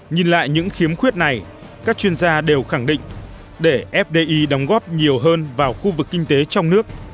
nhìn lại những khiếm khuyết này các chuyên gia đều khẳng định để fdi đóng góp nhiều hơn vào khu vực kinh tế trong nước